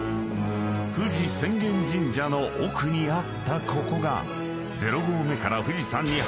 ［冨士浅間神社の奥にあったここが０合目から富士山に入る］